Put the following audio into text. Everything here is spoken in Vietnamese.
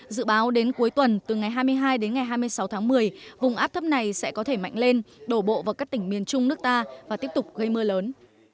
dự báo đến cuối tuần từ ngày hai mươi hai đến ngày hai mươi sáu tháng một mươi vùng áp thấp này sẽ có thể mạnh lên đổ bộ vào các tỉnh miền trung nước ta và tiếp tục gây mưa lớn